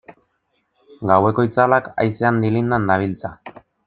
Gaueko itzalak haizean dilindan dabiltza.